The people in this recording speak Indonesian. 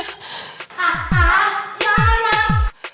ah ah jangan lah